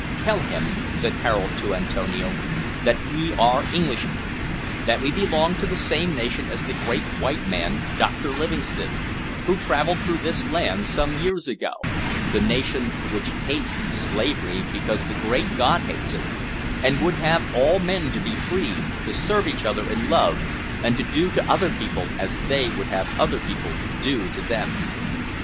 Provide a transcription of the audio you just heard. "Tell him," said Harold to Antonio, "that we are Englishmen; that we belong to the same nation as the great white man Dr Livingstone, who travelled through this land some years ago the nation which hates slavery because the Great God hates it, and would have all men to be free, to serve each other in love, and to do to other people as they would have other people do to them.